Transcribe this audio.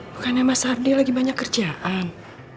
bukannya mas ardi lagi banyak kerjaan